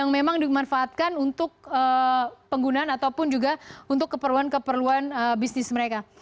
yang memang dimanfaatkan untuk penggunaan ataupun juga untuk keperluan keperluan bisnis mereka